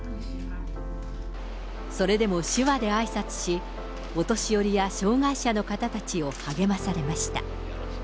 それでも手話であいさつし、お年寄りや障害者の方たちを励まされました。